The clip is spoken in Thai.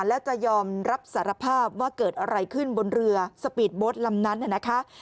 แล้วจะยอมรับสารภาพว่าเกิดอะไรขึ้นบนเรือสปีดโบ๊ทลำนั้นนะคะ